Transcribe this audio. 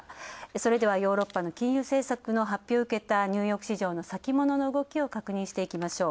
それではヨーロッパの金融政策の発表を受けたニューヨーク市場の先物の動きを確認しておきましょう。